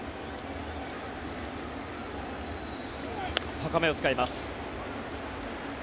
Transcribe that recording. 高めを使います。